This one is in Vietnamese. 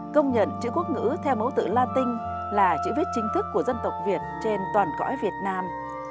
công nhận chữ quốc ngữ theo mẫu tự la tinh là chữ viết chính thức của dân tộc việt trên toàn cõi việt nam